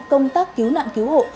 công tác cứu nạn cứu hộ